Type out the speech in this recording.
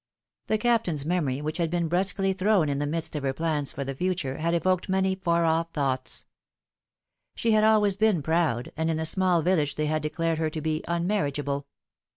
The Captain's memory, which had been brusquely thrown in the midst of her plans for the future, had evoked many far off thoughts. She had always been proud, and in the small village they had declared her to be unmarriageable."